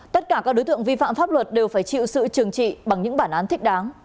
tất cả các đối tượng vi phạm pháp luật đều phải chịu sự trừng trị bằng những bản án thích đáng